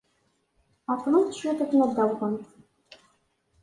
Ɛeḍḍlent cwiṭ akken ad d-awḍent.